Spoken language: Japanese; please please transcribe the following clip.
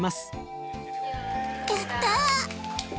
やった！